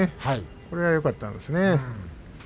それがよかったんですね。